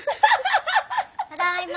ただいま。